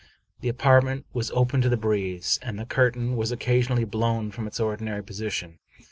The apartment was open to the breeze, and the curtain was occa sionally blown from its ordinary position.